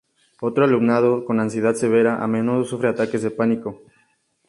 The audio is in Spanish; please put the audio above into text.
Otro alumnado con ansiedad severa a menudo sufre ataques de pánico.